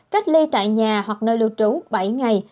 cách ly tại nhà hoặc nơi lưu trú bảy ngày